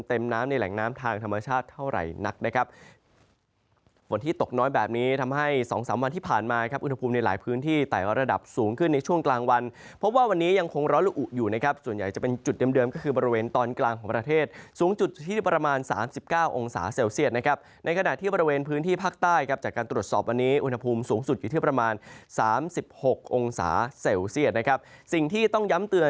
ต่างธรรมชาติเท่าไหร่นักนะครับฝนที่ตกน้อยแบบนี้ทำให้๒๓วันที่ผ่านมาอุณหภูมิในหลายพื้นที่แต่ระดับสูงขึ้นในช่วงกลางวันเพราะว่าวันนี้ยังคงร้อนละอุ่นอยู่นะครับส่วนใหญ่จะเป็นจุดเดิมก็คือบริเวณตอนกลางของประเทศสูงจุดที่ประมาณ๓๙องศาเซลเซียตนะครับในขณะที่บริเวณพื